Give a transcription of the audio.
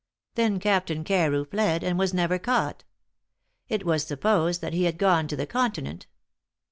Then Captain Carew fled, and was never caught. It was supposed that he had gone to the Continent.